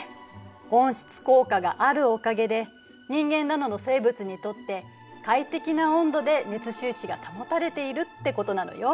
温室効果があるおかげで人間などの生物にとって快適な温度で熱収支が保たれているってことなのよ。